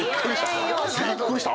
びっくりした！